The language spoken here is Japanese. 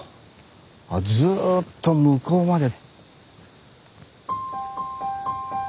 あずっと向こうまで。